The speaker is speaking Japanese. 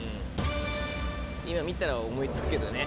今見たら思い付くけどね